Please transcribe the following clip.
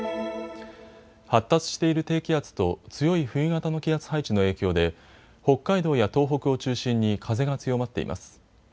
発達している低気圧と強い冬型の気圧配置の影響で北海道や東北を中心に風が強まっています。